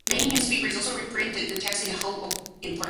Many newspapers also reprinted the text in whole or in part.